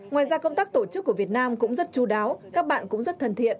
ngoài ra công tác tổ chức của việt nam cũng rất chú đáo các bạn cũng rất thân thiện